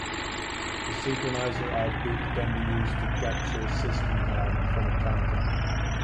The synchronizer output can be used to capture system time from a counter.